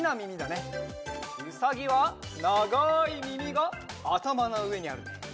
うさぎはながいみみがあたまのうえにあるね。